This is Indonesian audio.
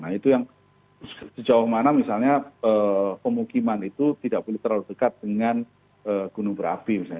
nah itu yang sejauh mana misalnya pemukiman itu tidak boleh terlalu dekat dengan gunung berapi misalnya